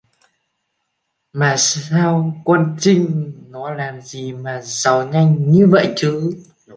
Mà sao con Trinh nó làm gì mà giàu nhanh như vậy chứ